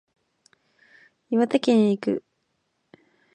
岩手県へ行く